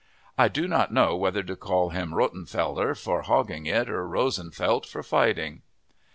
I do not know whether to call him Rottenfeller for hogging it, or Rosenfelt for fighting.